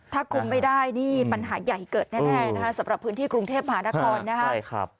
ถ้าคุมไม่ได้นี่ปัญหาใหญ่เกิดแน่นะคะสำหรับพื้นที่กรุงเทพมหานครนะครับ